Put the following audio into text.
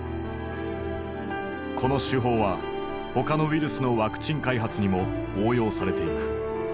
この手法は他のウイルスのワクチン開発にも応用されていく。